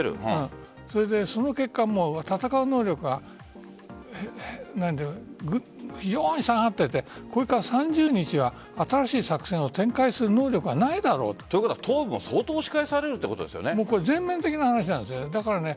それで、その結果戦う能力が非常に下がっていてこれから３０日は、新しい作戦を展開する能力がないだろうと。ということは、東部も相当押し返される全面的な話なんです。